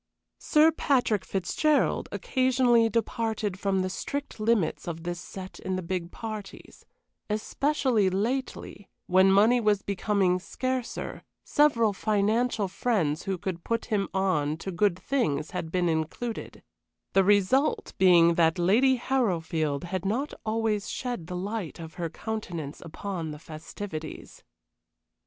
Sir Patrick Fitzgerald occasionally departed from the strict limits of this set in the big parties especially lately, when money was becoming scarcer, several financial friends who could put him on to good things had been included, the result being that Lady Harrowfield had not always shed the light of her countenance upon the festivities.